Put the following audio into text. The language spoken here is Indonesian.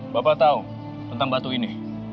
bapak tahu tentang batu ini